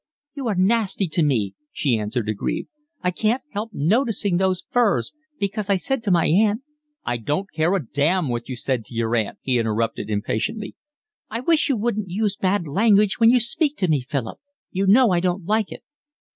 "You are nasty to me," she answered, aggrieved. "I can't help noticing those furs, because I said to my aunt…" "I don't care a damn what you said to your aunt," he interrupted impatiently. "I wish you wouldn't use bad language when you speak to me Philip. You know I don't like it."